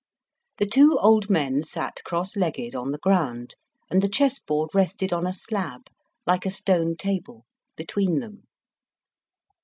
The two old men sat cross legged on the ground, and the chessboard rested on a slab, like a stone table, between them.